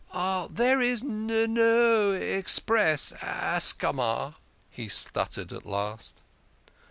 " There is n n no express Ascama" he stuttered at last.